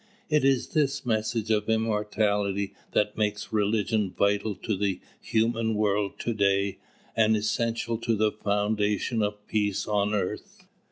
It is this message of immortality that makes religion vital to the human world to day, and essential to the foundation of peace on earth.